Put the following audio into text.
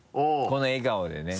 この笑顔でね。